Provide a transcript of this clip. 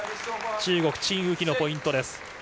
中国チン・ウヒのポイントです。